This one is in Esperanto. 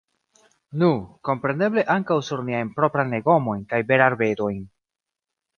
Nu, kompreneble ankaŭ sur niajn proprajn legomojn kaj berarbedojn.